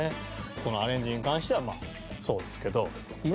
このアレンジに関してはまあそうですけど。